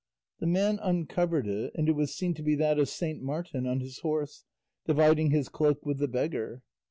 The man uncovered it, and it was seen to be that of Saint Martin on his horse, dividing his cloak with the beggar.